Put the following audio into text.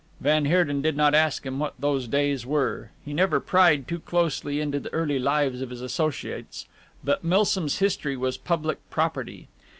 Van Heerden did not ask him what those days were. He never pryed too closely into the early lives of his associates, but Milsom's history was public property.